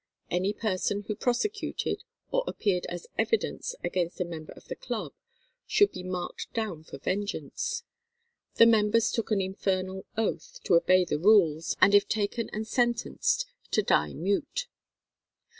Any person who prosecuted, or appeared as evidence against a member of the club, should be marked down for vengeance. The members took an "infernal oath" to obey the rules, and if taken and sentenced to "die mute."